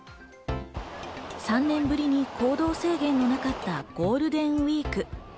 ３年ぶりに行動制限のなかったゴールデンウイーク。